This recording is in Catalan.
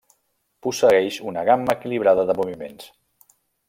Posseeix una gamma equilibrada de moviments.